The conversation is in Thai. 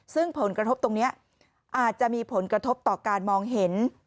ซึ่งผลกระทบตรงนี้อาจจะมีผลกระทบต่อการมองเห็น